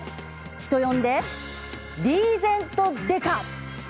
人呼んでリーゼント刑事。